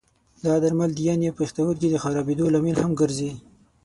دا درمل د ینې او پښتورګي د خرابېدو لامل هم ګرځي.